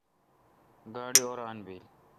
گاڑی اوران بیل۔